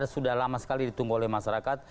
sudah lama sekali ditunggu oleh masyarakat